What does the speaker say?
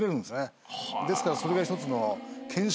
ですからそれが一つの。